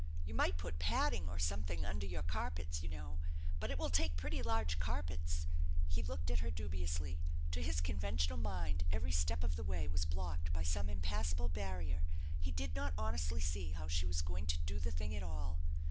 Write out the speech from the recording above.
You might put padding or something under your carpets* you know, but it will take pretty large carpets " He looked at her dubiously. To his conventional mind every step of the way was blocked by some impassable barrier. He did not honestly see how she was going to do the thing at all.